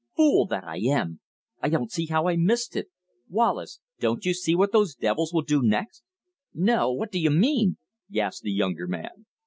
"Fool that I am! I don't see how I missed it. Wallace, don't you see what those devils will do next?" "No, what do you mean?" gasped the younger man.